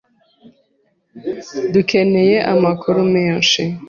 Dukeneye amakuru menshi.